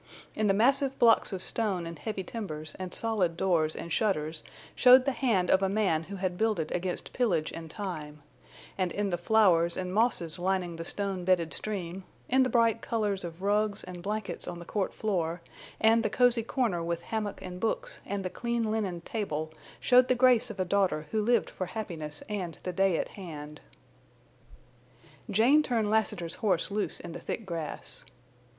In the massive blocks of stone and heavy timbers and solid doors and shutters showed the hand of a man who had builded against pillage and time; and in the flowers and mosses lining the stone bedded stream, in the bright colors of rugs and blankets on the court floor, and the cozy corner with hammock and books and the clean linened table, showed the grace of a daughter who lived for happiness and the day at hand. Jane turned Lassiter's horse loose in the thick grass.